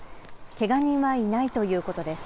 けが人はいないということです。